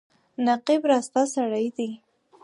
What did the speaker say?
نقيب راسته سړی دی.